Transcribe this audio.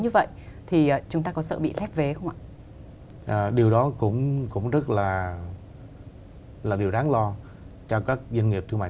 và đặc biệt là doanh nghiệp